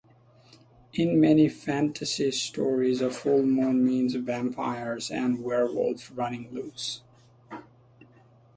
In many fantasy stories, a full moon means vampires and werewolves running loose.